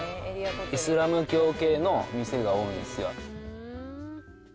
イスラム教系の店が多いんですよ。